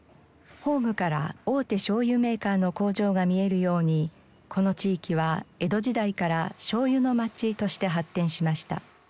ホームから大手醤油メーカーの工場が見えるようにこの地域は江戸時代から醤油の街として発展しました。